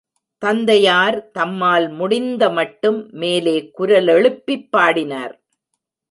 தந்தையார் தம்மால் முடிந்த மட்டும் மேலே குரலெழுப்பிப் பாடினார்.